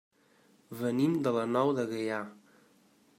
Venim de la Nou de Gaià.